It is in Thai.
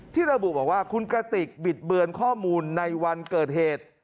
ระบุบอกว่าคุณกระติกบิดเบือนข้อมูลในวันเกิดเหตุ